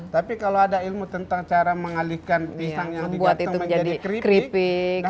tapi kalau ada ilmu tentang cara mengalihkan pisang yang digato menjadi keripik